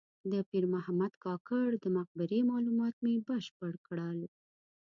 د پیر محمد کاکړ د مقبرې معلومات مې بشپړ کړل.